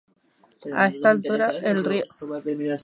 A esta altura, el río delimita a las comunas de Chillán y Portezuelo.